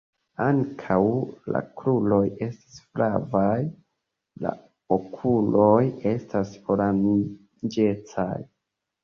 Ankaŭ la kruroj esta flavaj, La okuloj estas oranĝecaj.